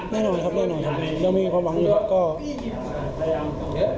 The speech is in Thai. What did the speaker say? แน่นอนครับแน่นอนครับยังมีความหวังอยู่ครับก็